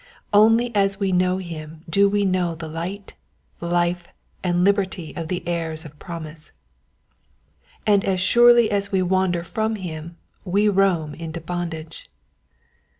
Only as we know him do we know the light, life, and liberty of the heirs of promise ; and as surely as we wander from him we roam into bondage.